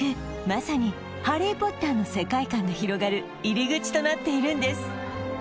まさにハリー・ポッターの世界観が広がる入り口となっているんです